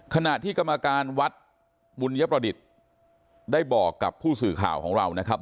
ขณะที่กรรมการวัดบุญยประดิษฐ์ได้บอกกับผู้สื่อข่าวของเรานะครับ